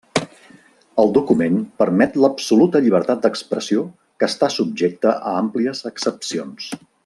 El document permet l'absoluta llibertat d'expressió que està subjecta a àmplies excepcions.